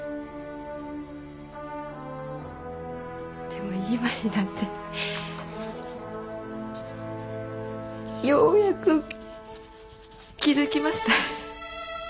でも今になってようやく気づきました。